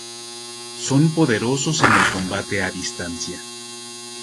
Son poderosos en el combate a distancia.